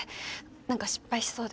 何か失敗しそうで。